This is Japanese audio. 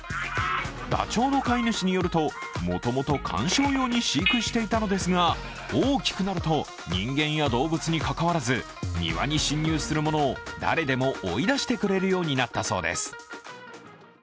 ダチョウの飼い主によると、もともと観賞用に飼育していたのですが大きくなると人間や動物にかかわらず、庭に侵入するものを誰でも追い出してくれるようになったそうです。